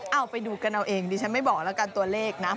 เอาไปดูกันเอาเองดิฉันไม่บอกแล้วกันตัวเลขนะ